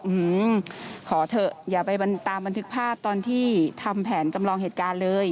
อืมขอเถอะอย่าไปตามบันทึกภาพตอนที่ทำแผนจำลองเหตุการณ์เลย